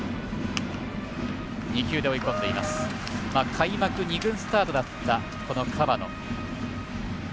開幕二軍スタートだった河野。